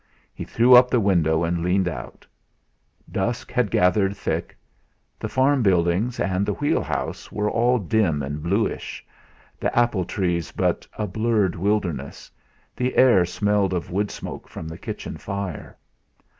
He threw up the window and leaned out. Dusk had gathered thick. The farm buildings and the wheel house were all dim and bluish, the apple trees but a blurred wilderness; the air smelled of woodsmoke from the kitchen fire.